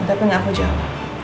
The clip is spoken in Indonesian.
tapi gak aku jawab